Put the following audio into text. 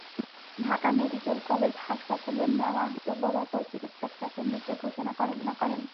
Dhaka medical college হাসপাতালে নেওয়া হলে কর্তব্যরত চিকিৎসক তাঁকে মৃত ঘোষণা করেন।